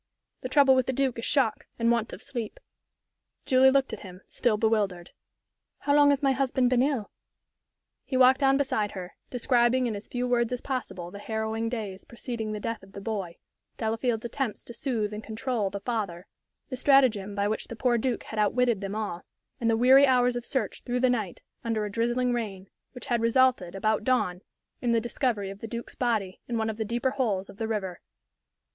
"The trouble with the Duke is shock, and want of sleep." Julie looked at him, still bewildered. "How long has my husband been ill?" He walked on beside her, describing in as few words as possible the harrowing days preceding the death of the boy, Delafield's attempts to soothe and control the father, the stratagem by which the poor Duke had outwitted them all, and the weary hours of search through the night, under a drizzling rain, which had resulted, about dawn, in the discovery of the Duke's body in one of the deeper holes of the river.